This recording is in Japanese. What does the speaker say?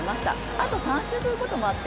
あと３周ということもあって